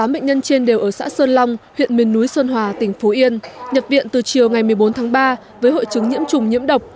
tám bệnh nhân trên đều ở xã sơn long huyện miền núi sơn hòa tỉnh phú yên nhập viện từ chiều ngày một mươi bốn tháng ba với hội chứng nhiễm trùng nhiễm độc